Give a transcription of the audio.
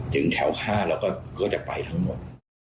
ถึงแถว๕เราก็จะไปทั้งหมด